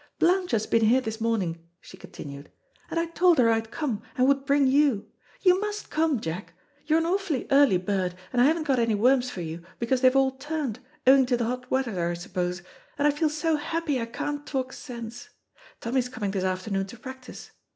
"Blanche has been here this morning," she continued, "and I told her I'd come, and would bring you. You must come, Jack. You're an awfully early bird, and I haven't got any worms for you, because they've all turned, owing to the hot weather, I suppose, and I feel so happy I can't talk sense. Tommy's coming this afternoon to practise.